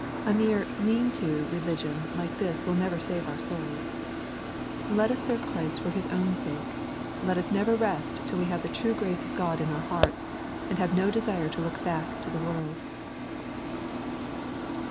A mere lean to religion like this will never save our souls. Let us serve Christ for His own sake. Let us never rest till we have the true grace of God in our hearts, and have no desire to look back to the world.